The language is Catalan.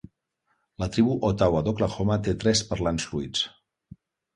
La tribu Ottawa d'Oklahoma té tres parlants fluids.